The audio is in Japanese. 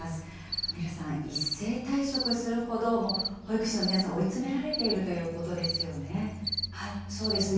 浜平さん、一斉退職するほど、保育士の皆さん、追い詰められているというこそうですね。